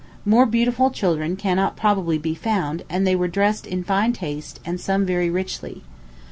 More beautiful children cannot probably be found; and they were dressed in fine taste, and some very richly.